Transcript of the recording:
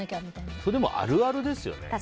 それ、あるあるですよね。